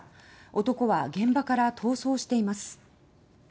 男は現場から逃走しています。